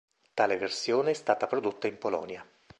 Tale versione è stata prodotta in Polonia.